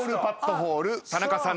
ホール田中さん